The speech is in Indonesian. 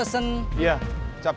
senang banget paksa